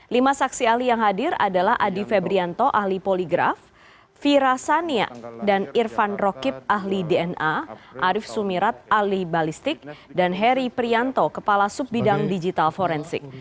lima saksi ahli yang hadir adalah adi febrianto ahli poligraf fira sania dan irfan rokib ahli dna arief sumirat ahli balistik dan heri prianto kepala sub bidang digital forensik